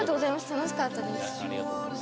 楽しかったです。